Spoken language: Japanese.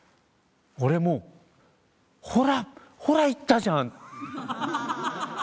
俺もう「ほら。ほら言ったじゃん」